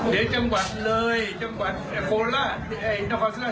เดี๋ยวจังหวัดเลยจังหวัดโคลล่าต้องมีคนรุ่นใหม่ขึ้นมาแท้